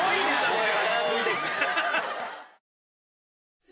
これ。